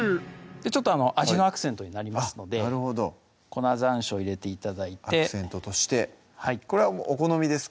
ちょっと味のアクセントになりますので粉山椒入れて頂いてアクセントとしてこれはお好みですか？